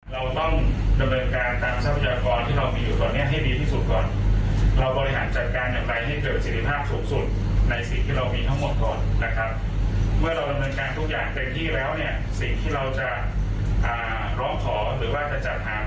เราต้องดำเนินการทางทรัพยากรที่เรามีอยู่ตอนเนี้ยให้ดีที่สุดก่อนเราบริหารจัดการอย่างไรให้เจอสิทธิภาพสูงสุดในสิ่งที่เรามีทั้งหมดคนนะครับ